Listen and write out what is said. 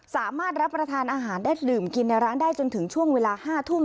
สามารถรับประทานอาหารได้ดื่มกินในร้านได้จนถึงช่วงเวลา๕ทุ่ม